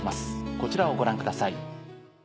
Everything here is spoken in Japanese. こちらをご覧ください。